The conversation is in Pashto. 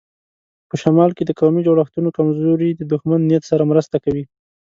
په شمال کې د قومي جوړښتونو کمزوري د دښمن نیت سره مرسته کوي.